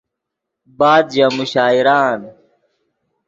بعد ژے مشاعرآن